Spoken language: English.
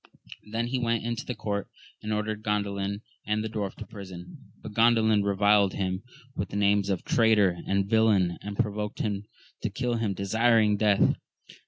Then he went into the court, and ordered Grandalin and the dwarf to prison ; but Gandalin reviled him with the names of traitor and villain, and provoked him to kiU him, desiring death.